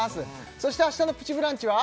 そして明日の「プチブランチ」は？